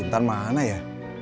intan mana ya